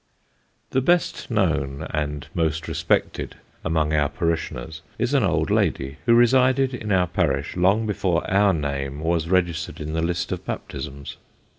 The best known and most respected among our parishioners, is an old lady, who resided in our parish long before our name was registered in the list of baptisms.